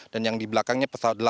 dan yang di belakangnya delapan pesawat